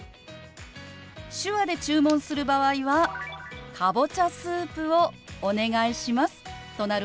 手話で注文する場合は「かぼちゃスープをお願いします」となるわよ。